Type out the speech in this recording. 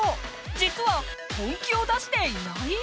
実は本気を出していない？